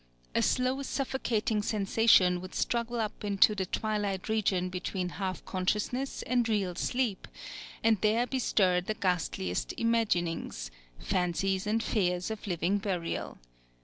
A slow suffocating sensation would struggle up into the twilight region between half consciousness and real sleep, and there bestir the ghastliest imaginings, fancies and fears of living burial.